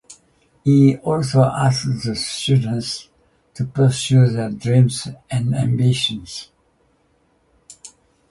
He also asked the students to pursue their dreams and ambitions.